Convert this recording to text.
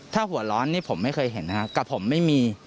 ถ้าหัวร้อนนี่ผมไม่เคยเห็นนะครับกับผมไม่มี